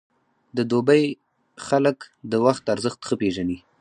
د دوبی خلک د وخت ارزښت ښه پېژني.